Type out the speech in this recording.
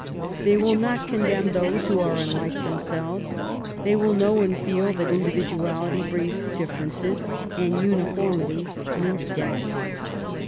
They will not condemn those who are unlike themselves; they will know and feel that individuality brings differences and uniformity means death.